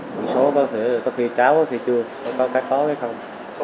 một số có khi tráo có khi chưa có khi có có khi không